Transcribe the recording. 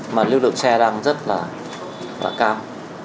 mà lưu lượng xe đang rất là cao